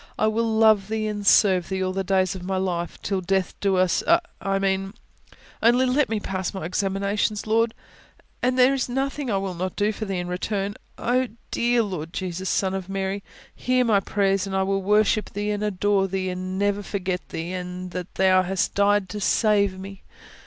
I will love Thee and serve Thee, all the days of my life, till death us do ... I mean, only let me pass my examinations, Lord, and there is nothing I will not do for Thee in return. Oh, dear Lord Jesus, Son of Mary, hear my prayer, and I will worship Thee and adore Thee, and never forget Thee, and that Thou hast died to save me!